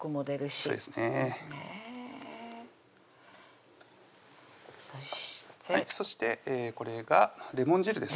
そしてそしてこれがレモン汁です